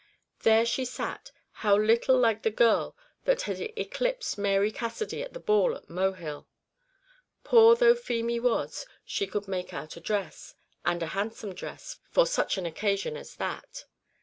There she sat; how little like the girl that had eclipsed Mary Cassidy at the ball at Mohill! Poor though Feemy was, she could make out a dress, and a handsome dress, for such an occasion as that.